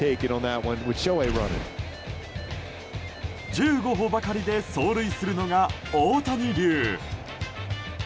１５歩ばかりで走塁するのが大谷流。